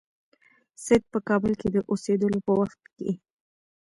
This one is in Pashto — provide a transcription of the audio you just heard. سید په کابل کې د اوسېدلو په وخت کې.